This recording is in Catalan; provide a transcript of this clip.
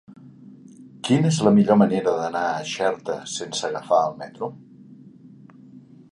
Quina és la millor manera d'anar a Xerta sense agafar el metro?